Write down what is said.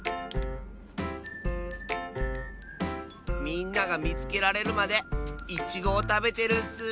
みんながみつけられるまでイチゴをたべてるッス！